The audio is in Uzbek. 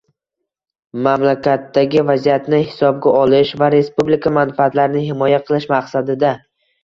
Mamlakatdagi vaziyatni hisobga olish va respublika manfaatlarini himoya qilish maqsadida: